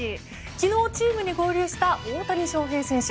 昨日、チームに合流した大谷翔平選手。